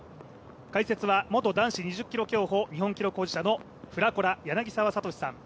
解説は元男子２０ｋｍ競歩日本記録保持者の柳澤哲さん。